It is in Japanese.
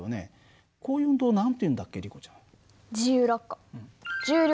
こういう運動を何て言うんだっけリコちゃん。